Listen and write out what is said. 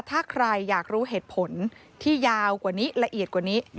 ถ้าใครอยากรู้เหตุผลที่ยาวกว่านี้ละเอียดกว่านี้